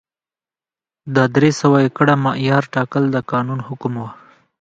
د درې سوه ایکره معیار ټاکل د قانون حکم و.